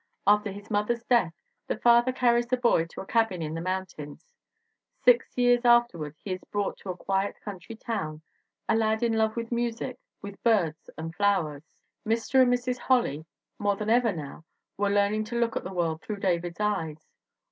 After his mother's death the father carries the boy to a cabin in the mountains. Six years afterward he is brought to a quiet country town a lad in love with music, with birds and flowers. "Mr. and Mrs. Holly, more than ever now, were learning to look at the world through David's eyes.